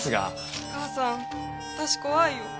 お母さん私怖いよ。